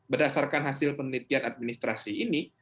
berdasarkan hasil penelitian administrasi ini